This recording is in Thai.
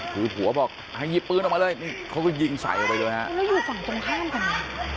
คือผัวบอกให้หยิบปืนออกมาเลยนี่เขาก็ยิงใส่ออกไปเลยฮะแล้วอยู่ฝั่งตรงข้ามกันนะ